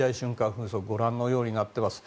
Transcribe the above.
風速はご覧のようになっています。